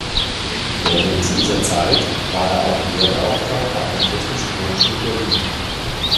Während dieser Zeit war er auch Lehrbeauftragter an der Technischen Hochschule Berlin.